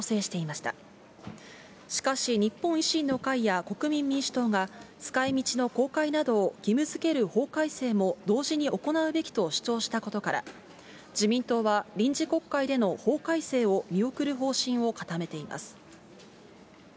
しかし、日本維新の会や国民民主党が使いみちの公開などを義務づける法改正も同時に行うべきと主張したことから、自民党は臨時国会での法改正を見送る方針を固めています。